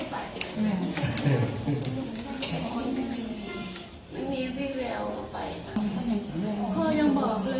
สวัสดีครับ